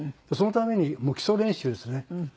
そのために基礎練習ですね。